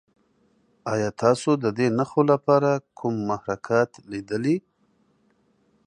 ایا تاسو د دې نښو لپاره کوم محرکات لیدلي؟